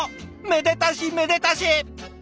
めでたしめでたし！